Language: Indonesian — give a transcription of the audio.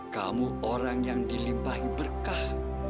kamu orang yang dilimpahi berkah